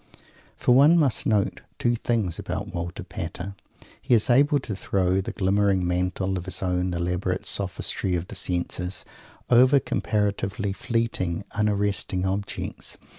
For one must note two things about Walter Pater. He is able to throw the glimmering mantle of his own elaborate sophistry of the senses over comparatively fleeting, unarresting objects.